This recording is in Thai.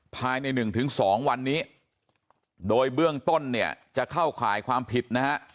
ภายในหนึ่งถึงสองวันนี้โดยเบื้องต้นเนี่ยจะเข้าข่ายความผิดนะฮะ